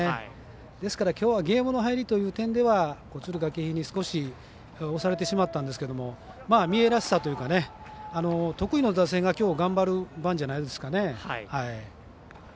ですから、きょうはゲームの入りという点では敦賀気比に少し押されてしまったんですけど三重らしさというか得意の打線がきょう頑張る番じゃないですかね。